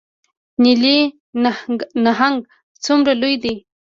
نیلي نهنګ څومره لوی دی؟